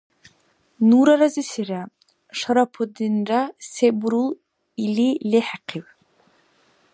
— Нура разисира, — Шарапутдинра се бурул или лехӀяхъиб.